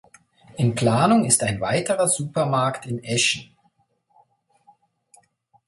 In Planung ist ein weiterer Supermarkt in Eschen.